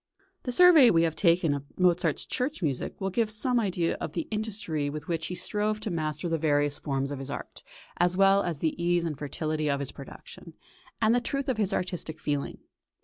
The survey we have taken of Mozart's church music will give some idea of the industry with which he strove to master the various forms of his art, as well as of the ease and fertility of his production, and the truth of his artistic feeling.